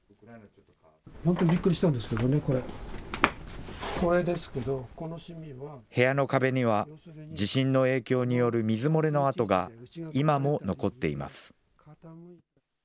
本当、びっくりしたんですけどね、部屋の壁には、地震の影響による水漏れの跡が、今も残っています。